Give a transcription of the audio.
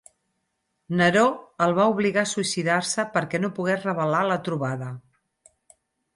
Neró el va obligar a suïcidar-se perquè no pogués revelar la trobada.